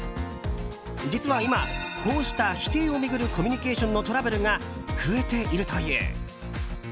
実は今、こうした否定を巡るコミュニケーションのトラブルが増えているという。